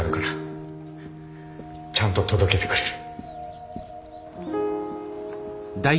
ちゃんと届けてくれる。